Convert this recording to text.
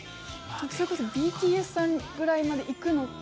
それこそＢＴＳさんくらいまで行くのか。